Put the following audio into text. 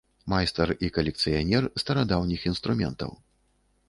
Майстар і калекцыянер старадаўніх інструментаў.